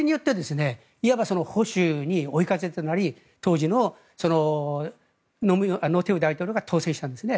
これで保守の追い風となり当時の盧泰愚大統領が当選したんですね。